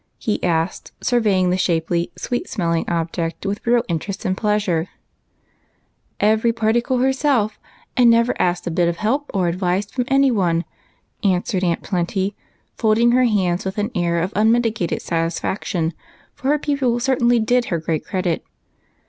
he asked, surveying the shapely, sweet smelling object, with real interest and pleasure. 186 EIGHT COUSINS. "Every particle herself, and never asked a bit of help or advice from any one," answered Aunt Plenty, folding her hands with an air of unmitigated satis faction, for her pupil certainly did her great credit.